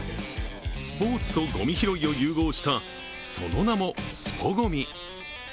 スポーツとごみ拾いを融合したその名も、スポゴミ。